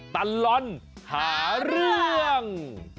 ตันร้อนหาเรื่อง